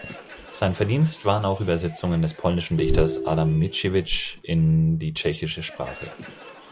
Sein Verdienst waren auch Übersetzungen des polnischen Dichters Adam Mickiewicz in die Tschechische Sprache.